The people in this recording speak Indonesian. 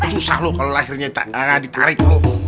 susah lu kalo lahirnya gak ditarik